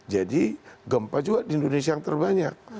jadi gempa juga di indonesia yang terbanyak